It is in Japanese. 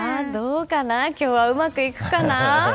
今日はうまくいくかな？